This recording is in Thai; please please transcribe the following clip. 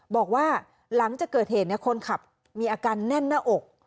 บอกว่าหลังจากเกิดเหตุคนขับมีอาการแน่นหน้าอก